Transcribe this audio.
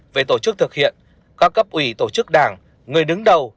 về tổ chức thực hiện các cấp ủy tổ chức đảng người đứng đầu